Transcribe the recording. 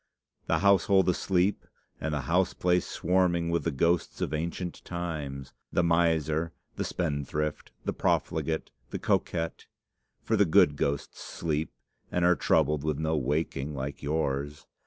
The household asleep, and the house place swarming with the ghosts of ancient times, the miser, the spendthrift, the profligate, the coquette, for the good ghosts sleep, and are troubled with no waking like yours!